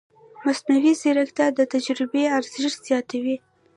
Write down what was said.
مصنوعي ځیرکتیا د تجربې ارزښت زیاتوي.